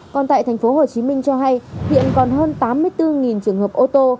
còn tại tp hcm cho hay hiện còn hơn tám mươi bốn trường hợp ô tô